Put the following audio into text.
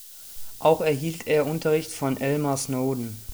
Auch erhielt er Unterricht von Elmer Snowden.